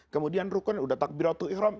kemudian rukunnya udah takbiratul ikhram